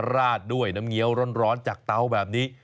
ราดด้วยน้ำเงี้ยวร้อนจากเตาแบบนี้